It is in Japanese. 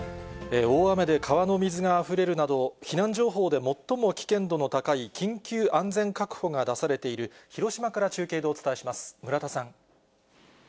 大雨で川の水があふれるなど、避難情報で最も危険度の高い、緊急安全確保が出されている広島から中継でお伝えします。